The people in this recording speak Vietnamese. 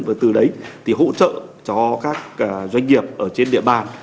và từ đấy thì hỗ trợ cho các doanh nghiệp ở trên địa bàn